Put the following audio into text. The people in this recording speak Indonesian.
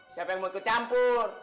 siapa yang mau ikut campur